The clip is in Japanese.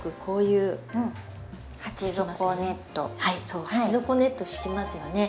そう鉢底ネット敷きますよね。